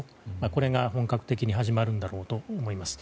これが本格的に始まるんだろうと思います。